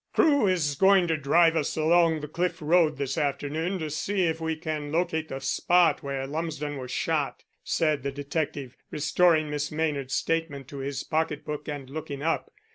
"Crewe's going to drive us along the cliff road this afternoon to see if we can locate the spot where Lumsden was shot," said the detective, restoring Miss Maynard's statement to his pocket book and looking up.